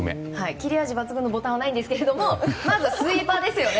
切れ味抜群のボタンはないんですけどまずスイーパーですよね。